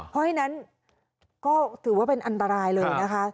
เพราะฉะนั้นก็ถือว่าเป็นอันตรายเลยนะคะ